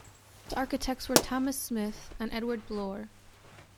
The architects were Thomas Smith and Edward Blore.